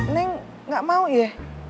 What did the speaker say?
neng gak mau ya